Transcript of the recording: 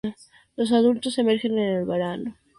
Los adultos emergen en el verano.